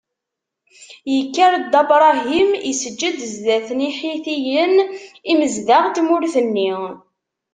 Ikker Dda Bṛahim iseǧǧed zdat n Iḥitiyen, imezdaɣ n tmurt-nni.